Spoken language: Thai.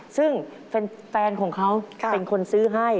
ซึ่งแฟนของเขาเป็นคนซื้อให้